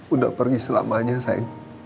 udah pergi selamanya sayang